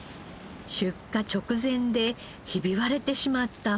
出荷直前でひび割れてしまった太きゅうり。